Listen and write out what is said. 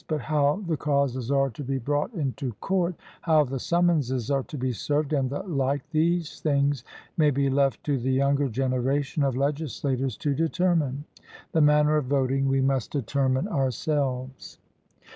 But how the causes are to be brought into court, how the summonses are to be served, and the like, these things may be left to the younger generation of legislators to determine; the manner of voting we must determine ourselves.